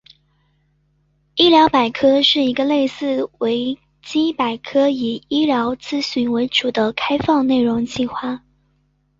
医疗百科是一个类似维基百科以医疗资讯为主的开放内容计划。